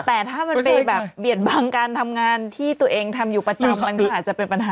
แต่ถ้ามันไปแบบเบียดบังการทำงานที่ตัวเองทำอยู่ประจำมันก็อาจจะเป็นปัญหา